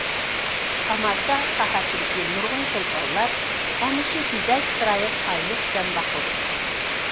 تاماشا ساھەسىدىكى نۇرغۇن چولپانلار ئەنە شۇ گۈزەل چىرايىغا تايىنىپ جان باقىدۇ.